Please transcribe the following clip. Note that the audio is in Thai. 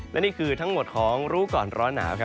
และนี่คือทั้งหมดของรู้ก่อนร้อนหนาว